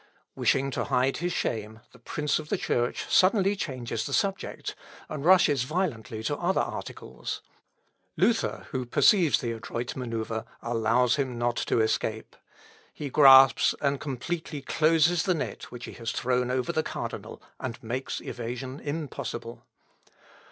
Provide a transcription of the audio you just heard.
Wishing to hide his shame, the prince of the Church suddenly changes the subject, and rushes violently to other articles. Luther who perceives the adroit manœuvre, allows him not to escape; he grasps and completely closes the net which he has thrown over the cardinal, and makes evasion impossible.